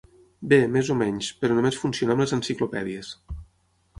Bé, més o menys, però només funciona amb les enciclopèdies.